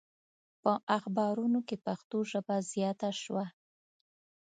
په اخبارونو کې پښتو ژبه زیاته شوه.